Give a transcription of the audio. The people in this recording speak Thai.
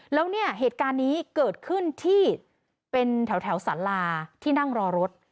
แล้วเนี่ยเหตุการณ์นี้เกิดขึ้นที่เป็นแถวสาราที่นั่งรอรถ